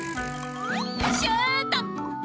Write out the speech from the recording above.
シュート！